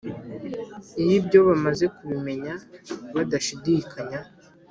Iyo ibyo bamaze kubimenya badashyidikanya,